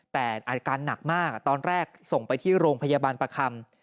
แต่อาการหนักมากตอนแรกส่งไปที่โรงพยาบาลประคำ